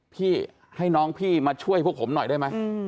พี่ให้น้องพี่มาช่วยพวกผมหน่อยได้ไหม